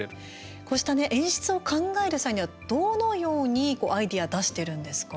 こうした演出を考える際には、どのようにアイデア出しているんですか。